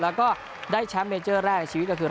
แล้วก็ได้แชมป์เมเจอร์แรกในชีวิตก็คือ